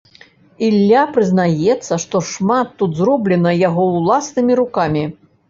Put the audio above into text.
Ілля прызнаецца, што шмат тут зроблена яго ўласнымі рукамі.